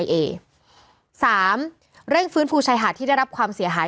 สามเร่งฟื้นฟูชายหาดที่ได้รับความเสียหาย